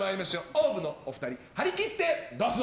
ＯＷＶのお二人張り切ってどうぞ。